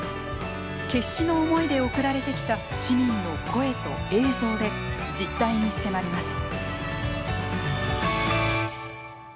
決死の思いで送られてきた市民の声と映像で実態に迫ります。